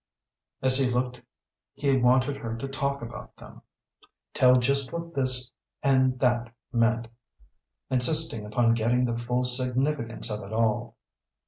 As he looked he wanted her to talk about them tell just what this and that meant, insisting upon getting the full significance of it all.